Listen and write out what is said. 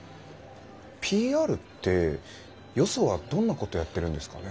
ＰＲってよそはどんなことやってるんですかね？